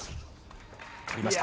取りました。